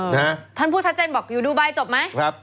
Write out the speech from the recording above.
ท่านผู้ชัดใจบอกอยู่ดูไบจบไหม